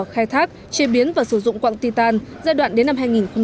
khai thác chế biến và sử dụng quặng ti tan giai đoạn đến năm hai nghìn hai mươi